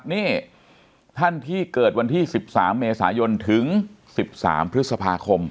นี่ท่านที่เกิดวันที่๑๓เมษายนถึง๑๓พฤษภาคม